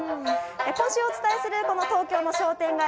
今週お伝えする東京の商店街